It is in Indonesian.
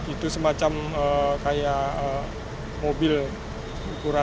itu semacam kayak mobil ukuran